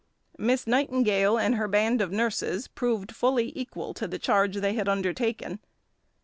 Miss Nightingale and her band of nurses proved fully equal to the charge they had undertaken.